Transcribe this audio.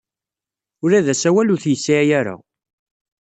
Ula d asawal ur t-yesɛi ara.